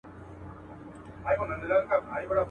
شهادت د حماقت يې پر خپل ځان كړ.